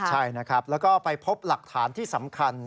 ใช่นะครับแล้วก็ไปพบหลักฐานที่สำคัญ